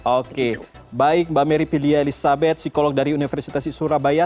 oke baik mbak meri piliha elizabeth psikolog dari universitas surabaya